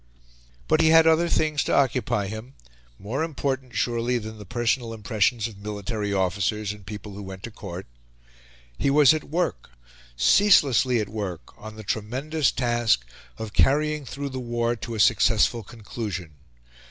But he had other things to occupy him, more important, surely, than the personal impressions of military officers and people who went to Court. He was at work ceaselessly at work on the tremendous task of carrying through the war to a successful conclusion.